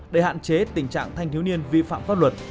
để hạn chế tình trạng thanh thiếu niên vi phạm pháp luật